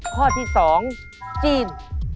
ข้อที่สองจีน